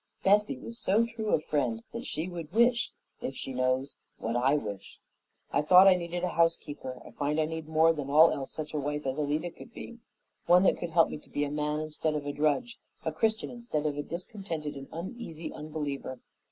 Bessie was so true a friend that she would wish, if she knows, what I wish. I thought I needed a housekeeper; I find I need more than all else such a wife as Alida could be one that could help me to be a man instead of a drudge, a Christian instead of a discontented and uneasy unbeliever.